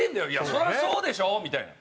「それはそうでしょ」みたいな。